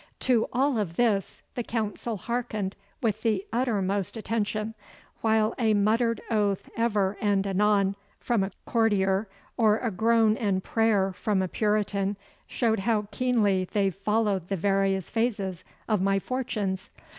To all of this the council hearkened with the uttermost attention, while a muttered oath ever and anon from a courtier or a groan and prayer from a Puritan showed how keenly they followed the various phases of my fortunes.